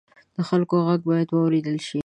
د خلکو غږ باید واورېدل شي.